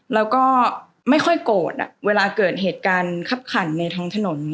แล้วก็ไม่ค่อยโกรธเวลาเกิดเหตุการณ์คับขันในท้องถนน